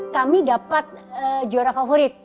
kami dapat juara favorit